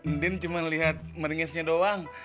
ndin cuma liat ngeringisnya doang